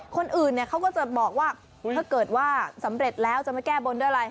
คนอื่นเนี่ยเขาก็จะบอกว่าถ้าเกิดว่าสำเร็จแล้วจะมาแก้บนด้วยอะไร